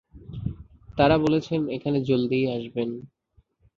তারা বলেছেন এখানে জলদিই আসবেন।